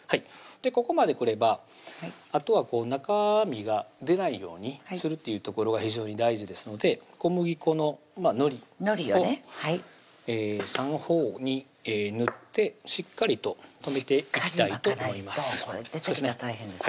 ここまでくればあとは中身が出ないようにするっていうところが非常に大事ですので小麦粉ののりを３方に塗ってしっかりと止めていきたいとしっかり巻かないとこれ出てきたら大変です